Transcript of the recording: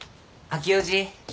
あきおじ。